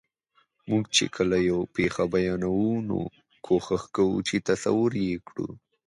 موږ چې کله یوه پېښه بیانوو، نو کوښښ کوو چې تصویري یې کړو.